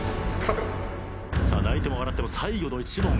さあ泣いても笑っても最後の１問。